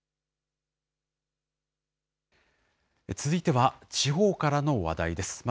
続いては、地方からの話題です。